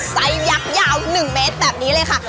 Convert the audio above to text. ไซส์ยักษ์ยาว๑เมตรแบบนี้เลยค่ะ